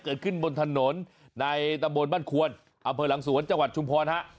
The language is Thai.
เกิดขึ้นบนถนนในตำบลบ้านควนอำเภอหลังสวนจังหวัดชุมพรฮะ